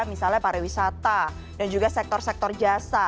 misalnya pariwisata dan juga sektor sektor jasa